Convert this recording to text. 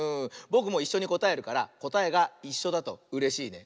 ぼくもいっしょにこたえるからこたえがいっしょだとうれしいね。